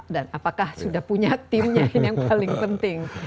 dan apakah sudah punya timnya yang paling penting